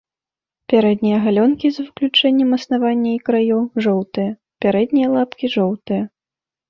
Пярэднія галёнкі за выключэннем аснавання і краёў жоўтыя, пярэднія лапкі жоўтыя.